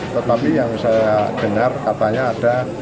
tetapi yang saya dengar katanya ada